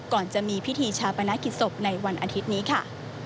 ก่อนจะมีพิธีชาปนกิจศพในวันอาทิตย์นี้ค่ะ